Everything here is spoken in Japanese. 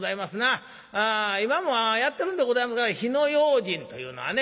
今もやってるんでございますが火の用心というのはね